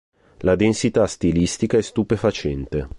Le densità stilistica è stupefacente.